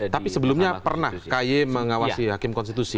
tapi sebelumnya pernah kaye mengawasi hakim konstitusi